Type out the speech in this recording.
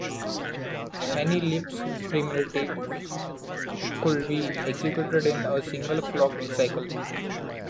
Many Lisp primitives could be executed in a single clock cycle.